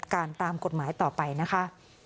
ตามกฎหมายต่อไปนะคะ